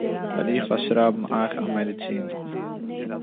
וועל איך פארשרייבן אייך א מעדעצין